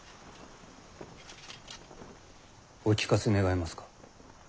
お聞かせ願えますか。